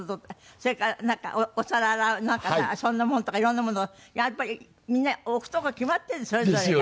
それからお皿洗うなんかさそんなものとかいろんなものをやっぱりみんな置くとこ決まってるのそれぞれが。